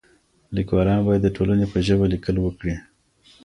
ليکوالان بايد د ټولني په ژبه ليکل وکړي.